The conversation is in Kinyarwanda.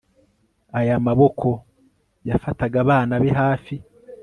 aya maboko yafataga abana be hafi